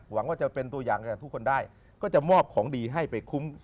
หวังว่าจะเป็นตัวอย่างให้กับทุกคนได้ก็จะมอบของดีให้ไปคุ้ม